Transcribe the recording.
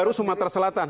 itu baru sumatera selatan